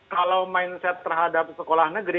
kalau mindset terhadap sekolah negeri